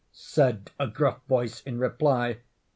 said a gruff voice, in reply.